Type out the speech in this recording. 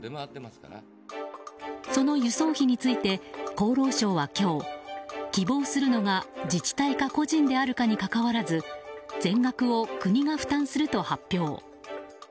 その輸送費について厚労省は今日希望するのが自治体か個人であるかにかかわらず全額を国が負担すると発表。